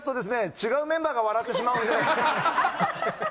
違うメンバーが笑ってしまうんで。